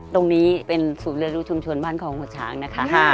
ตรงนี้เป็นสูตรเรือรูปชุมชนบ้านของหัวฉางนะคะ